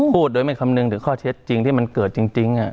พูดโดยไม่คำนึงถึงข้อเท็จจริงที่มันเกิดจริง